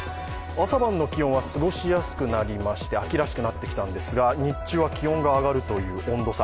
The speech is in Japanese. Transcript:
朝晩の気温は過ごしやすくなりまして秋らしくなってきたんですが、日中は気温が上がるという温度差。